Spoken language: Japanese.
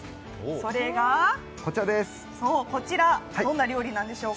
それがこちら、どんな料理なんでしょうか？